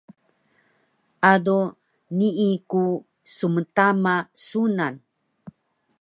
ado nii ku smtama sunan